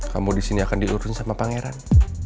kamu disini akan dilurusin sama pangeran